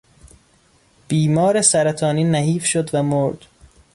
بیمار سرطانی نحیف شد و مرد.